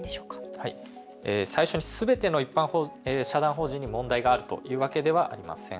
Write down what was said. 最初にすべての一般社団法人に問題があるというわけではありません。